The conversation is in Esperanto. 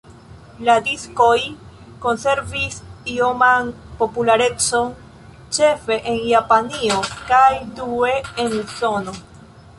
La diskoj konservis ioman popularecon ĉefe en Japanio kaj due en Usono.